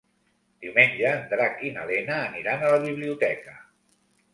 Diumenge en Drac i na Lena aniran a la biblioteca.